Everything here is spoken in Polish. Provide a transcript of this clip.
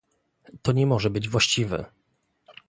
To nie może być właściwe